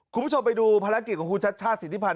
คุณผู้ชมไปดูภารกิจของครูชาติชาติศิริพรรณ